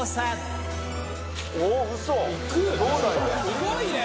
すごいね！